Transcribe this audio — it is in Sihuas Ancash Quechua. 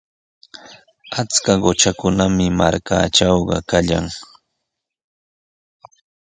Achka qutrakunami markaatrawqa kallan.